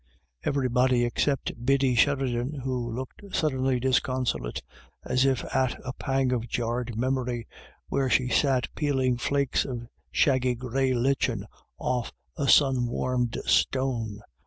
Everybody except Biddy Sheridan, who looked suddenly disconsolate, as if at a pang of jarred memory, where she sat peeling flakes of shaggy grey lichen off a sun warmed stone.